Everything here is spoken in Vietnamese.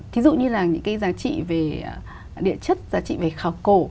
thí dụ như là những cái giá trị về địa chất giá trị về khảo cổ